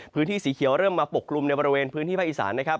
พื้นที่สีเขียวเริ่มมาปกกลุ่มในบริเวณพื้นที่ภาคอีสานนะครับ